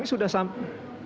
masih ada kenapa